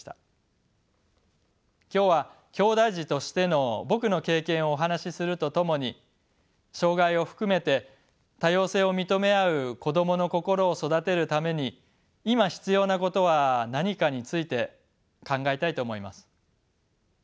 今日はきょうだい児としての僕の経験をお話しするとともに障がいを含めて多様性を認め合う子どもの心を育てるために今必要なことは何かについて考えたいと思います。